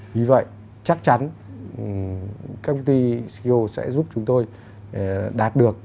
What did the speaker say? vì vậy chắc chắn các công ty sco sẽ giúp chúng tôi đạt được